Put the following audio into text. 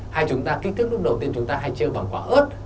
hay chúng ta kích thước lúc đầu tiên chúng ta hay chêu bằng quả ớt